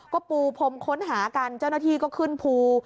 ก็ปูพรมค้นหากันเจ้าหน้าที่ก็ขึ้นภู